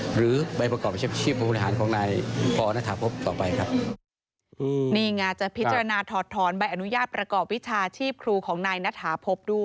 หรือใบประกอบวิชาชีพผู้แหงของนายพนะฐาพบกกต่อไปครับ